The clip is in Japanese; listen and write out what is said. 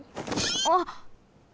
あっ。